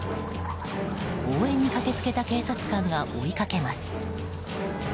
応援に駆け付けた警察官が追いかけます。